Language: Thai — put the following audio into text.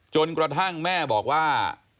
จนกระทั่งแม่บอกว่า